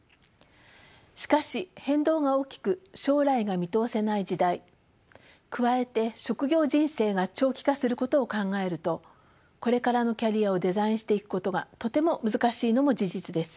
しかし変動が大きく将来が見通せない時代加えて職業人生が長期化することを考えるとこれからのキャリアをデザインしていくことがとても難しいのも事実です。